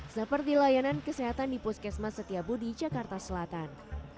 seperti layanan kesehatan di puskesmas setiabu di jakarta selatan